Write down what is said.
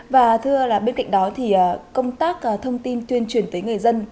và thưa bên cạnh đó thì công tác thông tin tuyên truyền tới người dân